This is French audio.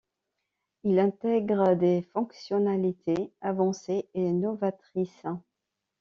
Il intègre des fonctionnalités avancées et novatrices.